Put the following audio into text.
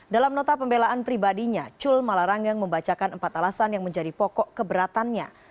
dalam nota pembelaan pribadinya cul malarangeng membacakan empat alasan yang menjadi pokok keberatannya